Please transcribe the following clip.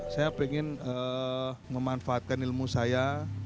saya ingin memanfaatkan ilmu saya